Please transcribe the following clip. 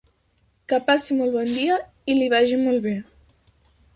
Que passi molt bon dia i li vagi molt bé.